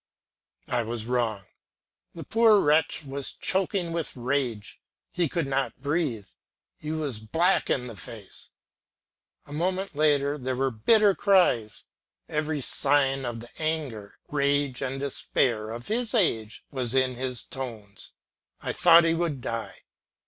I was wrong, the poor wretch was choking with rage, he could not breathe, he was black in the face. A moment later there were bitter cries, every sign of the anger, rage, and despair of this age was in his tones. I thought he would die.